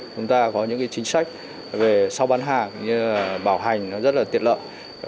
chúng ta có những chính sách về sau bán hàng bảo hành rất tiện lợi